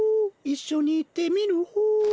いっしょにいってみるホー。